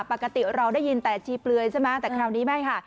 ปกติเราได้ยินแต่ชีเปลือยใช่ไหมแต่คราวนี้ไม่ค่ะ